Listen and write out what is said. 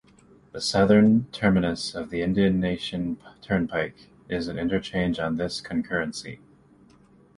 The southern terminus of the Indian Nation Turnpike is an interchange on this concurrency.